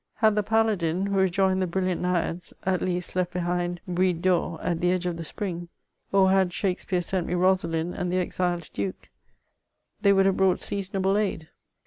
Had the paladin, who rejoined the brilliant naiads, at least left be hind Bride d'Or at the edge of the spring, or had Shakspeare sent me Rosalind and the exiled Duke, they would have brought seasonable aid.